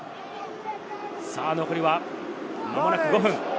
残りは、まもなく５分。